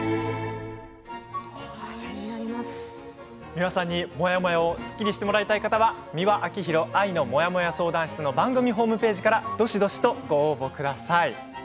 美輪さんにモヤモヤをすっきりしてもらいたい方は「美輪明宏愛のモヤモヤ相談室」の番組ホームページからどしどしとご応募ください。